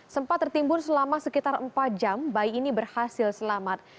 sempat tertimbun selama sekitar empat jam bayi ini berhasil selamat